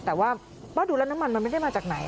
แต่ว่าดูแล้วน้ำมันมันไม่ได้มาจากไหน